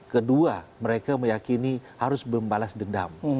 kedua mereka meyakini harus membalas dendam